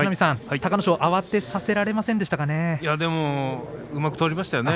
隆の勝慌てさせられませんでしたかね。